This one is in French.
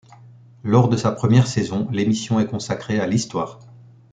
Lors de sa première saison, l'émission est consacrée à l'histoire.